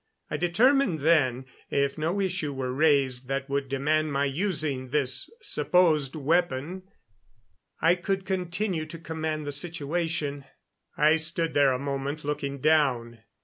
I determined then, if no issue were raised that would demand my using this supposed weapon, I could continue to command the situation. I stood there a moment looking down.